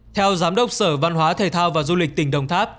theo giám đốc sở văn hóa thể thao và du lịch tỉnh đồng tháp